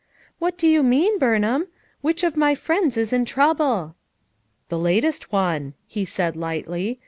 "What do you mean, Burnham? Which of my friends is in trouble V "The latest one," he said lightly.